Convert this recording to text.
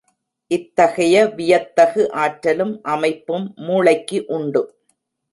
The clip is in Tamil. இத்தகைய வியத்தகு ஆற்றலும் அமைப்பும் மூளைக்கு உண்டு.